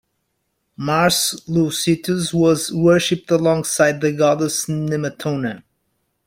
Mars Loucetius was worshipped alongside the goddess Nemetona.